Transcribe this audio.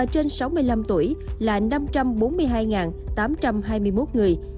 trong đó nhóm tuổi dưới năm tuổi là năm trăm bốn mươi hai tám trăm hai mươi một người